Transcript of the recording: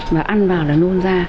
và ăn vào là nôn ra